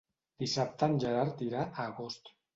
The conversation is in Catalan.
Dissabte en Gerard irà a Agost.